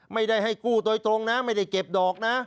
ไม่ได้ให้กู้โดยตรงนะไม่ได้เก็บดอกนะ